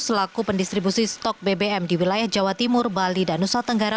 selaku pendistribusi stok bbm di wilayah jawa timur bali dan nusa tenggara